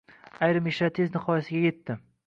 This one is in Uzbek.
Ajrim ishlari tez nihoyasiga etdi